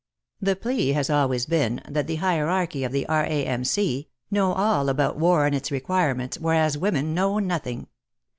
The plea has always been that the hierarchy of the PREFATORY NOTE ix R.A.M.C. know all about war and its require ments, whereas women know nothing.